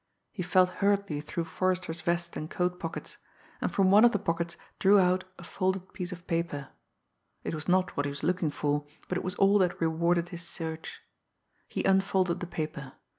He felt hurriedly through Forrester's vest and coat pockets and from one of the pockets drew out a folded piece of paper. It was not what he was looking for, but it was all that rewarded his search. He unfolded the paper.